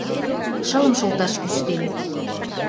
Шылым шолташ кӱштем.